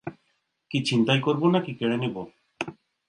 কী ছিনতাই করবো নাকি কেড়ে নেবো?